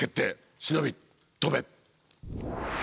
忍び飛べ！